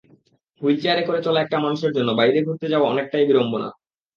হুইলচেয়ারে করে চলা একটা মানুষের জন্য বাইরে ঘুরতে যাওয়া অনেকটাই বিড়ম্বনার।